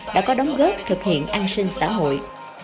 đã có đóng góp thực hiện an sinh xã hội